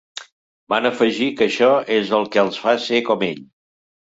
Van afegir que això és el que els fa ser com ell.